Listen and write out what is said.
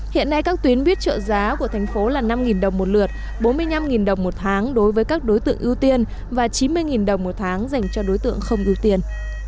hiện nay các tuyến buýt trợ giá của thành phố là năm đồng một lượt bốn mươi năm đồng một tháng đối với các đối tượng ưu tiên và chín mươi đồng một tháng dành cho đối tượng không ưu tiên